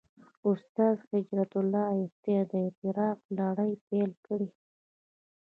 استاد هجرت الله اختیار د «اعتراف» لړۍ پېل کړې.